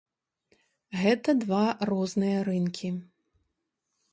Гэта два розныя рынкі.